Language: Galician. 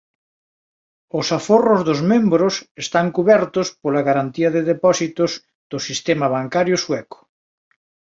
Os aforros dos membros están cubertos pola garantía de depósitos do sistema bancario sueco.